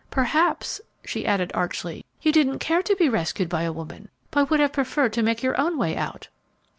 Perhaps," she added, archly, "you didn't care to be rescued by a woman, but would have preferred to make your own way out."